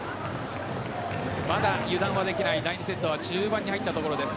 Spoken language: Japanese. まだ油断はできない第２セットは中盤に入ったところです。